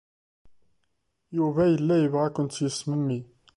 Yuba yella yebɣa ad kent-yesmemmi.